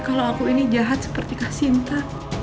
kalau aku ini jahat seperti kasinta